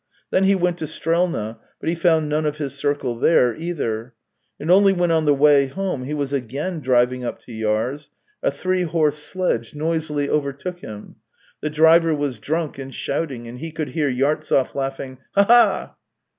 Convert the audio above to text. Then he went to Strelna, but he found none of his circle there, either; and only when on the way home he was again driving up to Yar's, a three horse sledge THREE YEARS 261 noisily overtook him. The driver was drunk and shouting, and he could hear Yartsev laughing: " Ha. ha, ha